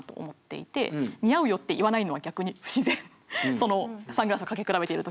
そのサングラスをかけ比べている時に。